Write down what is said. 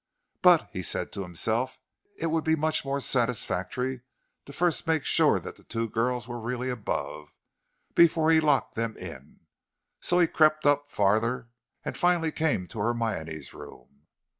But, he said to himself, it would be much more satisfactory to first make sure that the two girls were really above, before he locked them in; so he crept up farther, and finally came to Hermione's room.